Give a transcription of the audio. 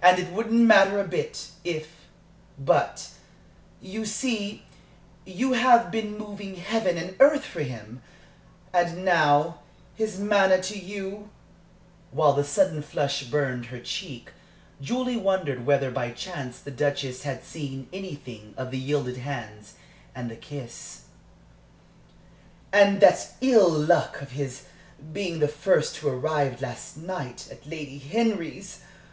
And it wouldn't matter a bit, if But, you see, you have been moving heaven and earth for him! And now his manner to you" (while the sudden flush burned her cheek, Julie wondered whether by chance the Duchess had seen anything of the yielded hands and the kiss) "and that ill luck of his being the first to arrive, last night, at Lady Henry's!